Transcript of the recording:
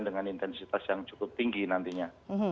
dengan intensitas yang cukup tinggi nantinya